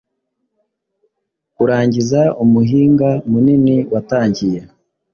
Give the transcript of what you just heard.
Kurangiza umuhinga munini watangiye